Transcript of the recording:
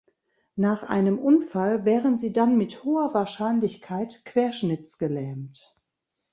Nach einem Unfall wären sie dann mit hoher Wahrscheinlichkeit querschnittsgelähmt.